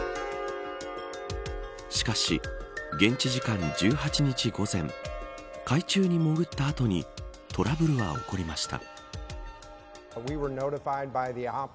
しかし、現地時間１８日午前海中に潜った後にトラブルは起こりました。